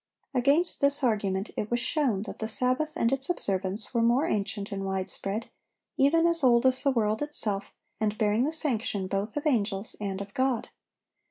Against this argument it was shown that the Sabbath and its observance were more ancient and widespread, even as old as the world itself, and bearing the sanction both of angels and of God.